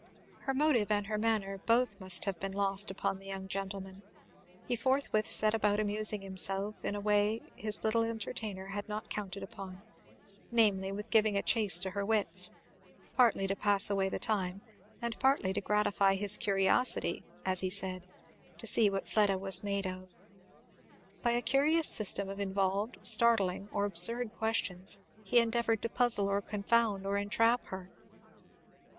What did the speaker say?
Her motive and her manner both must have been lost upon the young gentleman. He forthwith set about amusing himself in a way his little entertainer had not counted upon, namely, with giving a chase to her wits; partly to pass away the time, and partly to gratify his curiosity, as he said, "to see what Fleda was made of." By a curious system of involved, startling, or absurd questions, he endeavoured to puzzle or confound or entrap her.